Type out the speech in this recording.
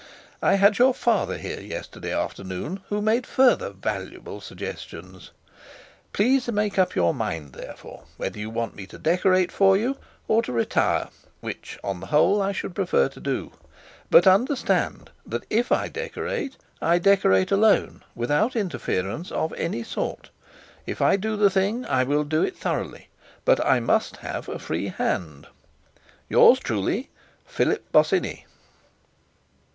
I had your father here yesterday afternoon, who made further valuable suggestions. "Please make up your mind, therefore, whether you want me to decorate for you, or to retire which on the whole I should prefer to do. "But understand that, if I decorate, I decorate alone, without interference of any sort. "If I do the thing, I will do it thoroughly, but I must have a free hand. "Yours truly, "PHILIP BOSINNEY."